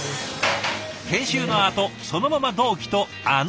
研修のあとそのまま同期とあの